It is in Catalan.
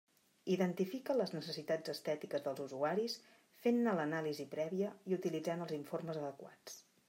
Identifica les necessitats estètiques dels usuaris fent-ne l'anàlisi prèvia i utilitzant els informes adequats.